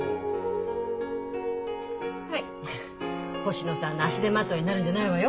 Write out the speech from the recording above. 星野さんの足手まといになるんじゃないわよ！